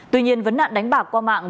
tuy nhiên vấn nạn đánh bạc qua mạng